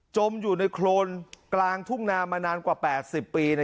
มอยู่ในโครนกลางทุ่งนามานานกว่า๘๐ปี